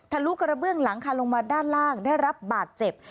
ลุกระเบื้องหลังคาลงมาด้านล่างได้รับบาดเจ็บ